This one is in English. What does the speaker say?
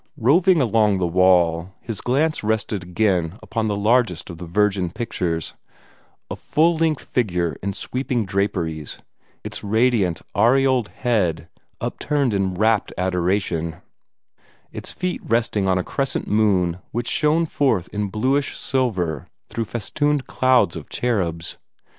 Roving along the wall, his glance rested again upon the largest of the Virgin pictures a full length figure in sweeping draperies, its radiant, aureoled head upturned in rapt adoration, its feet resting on a crescent moon which shone forth in bluish silver through festooned clouds of cherubs.